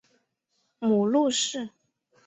母陆氏。